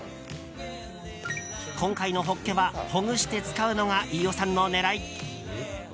今回のホッケはほぐして使うのが飯尾さんの狙い。